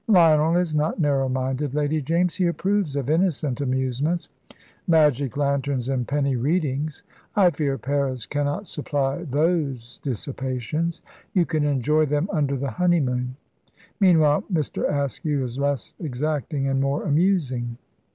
"Lionel is not narrow minded, Lady James. He approves of innocent amusements." "Magic lanterns and penny readings. I fear Paris cannot supply those dissipations. You can enjoy them under the honeymoon. Meanwhile Mr. Askew is less exacting and more amusing."